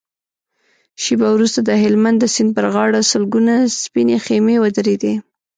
شېبه وروسته د هلمند د سيند پر غاړه سلګونه سپينې خيمې ودرېدې.